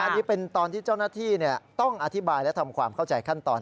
อันนี้เป็นตอนที่เจ้าหน้าที่ต้องอธิบายและทำความเข้าใจขั้นตอน